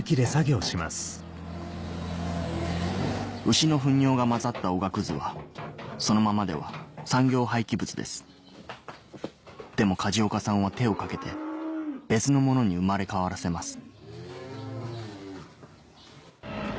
牛のふん尿が混ざったおがくずはそのままでは産業廃棄物ですでも梶岡さんは手をかけて別のものに生まれ変わらせます